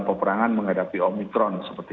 keperangan menghadapi omikron seperti